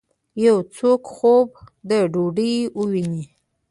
یو څوک خوب د ډوډۍ وویني